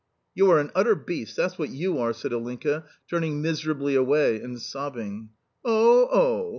"You are an utter beast! That's what YOU are!" said Ilinka, turning miserably away and sobbing. "Oh, oh!